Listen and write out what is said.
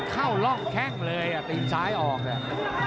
เข้าล่องแค่งเลยติดซ้ายออกเลย